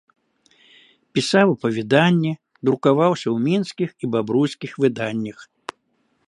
Пісаў апавяданні, друкаваўся ў мінскіх і бабруйскіх выданнях.